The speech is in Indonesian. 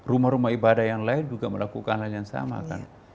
rumah rumah ibadah yang lain juga melakukan hal yang sama kan